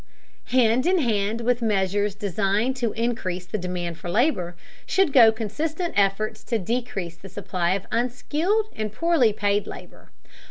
Hand in hand with measures deigned to increase the demand for labor should go consistent efforts to decrease the supply of unskilled and poorly paid labor.